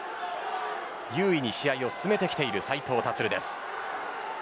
優位に試合を進めてきている斉藤立です。